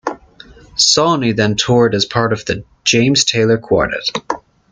Sawhney then toured as part of The James Taylor Quartet.